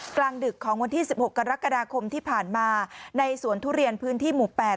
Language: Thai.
กลางดึกของวันที่สิบหกกรกฎาคมที่ผ่านมาในสวนทุเรียนพื้นที่หมู่๘